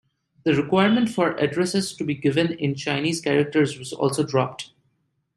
The requirement for addresses to be given in Chinese characters was also dropped.